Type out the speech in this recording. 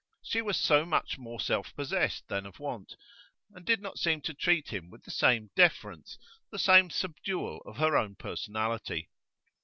She was so much more self possessed than of wont, and did not seem to treat him with the same deference, the same subdual of her own personality.